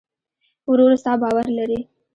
ورور ستا باور لري.